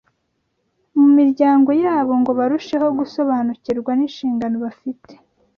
Mu miryango yabo ngo barusheho gusobanukirwa n’inshingano bafite.